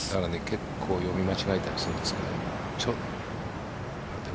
結構読み間違えたりするんですけど。